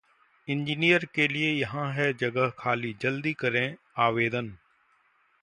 engineer के लिए यहां है जगह खाली, जल्द करें आवेदन